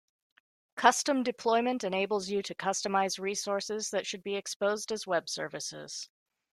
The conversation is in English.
Custom deployment enables you to customize resources that should be exposed as Web services.